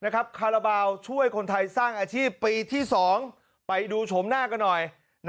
คาราบาลช่วยคนไทยสร้างอาชีพปีที่๒ไปดูโฉมหน้ากันหน่อย